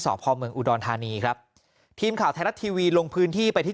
พ่อเมืองอุดรธานีครับทีมข่าวไทยรัฐทีวีลงพื้นที่ไปที่